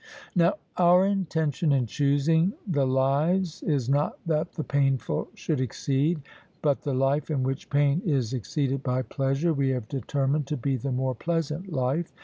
Now our intention in choosing the lives is not that the painful should exceed, but the life in which pain is exceeded by pleasure we have determined to be the more pleasant life.